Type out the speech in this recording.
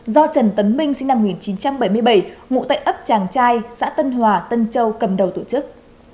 do trần tấn minh sinh năm một nghìn chín trăm bảy mươi bảy ngụ tại ấp tràng trai xã tân hòa tân châu cầm đầu tổ chức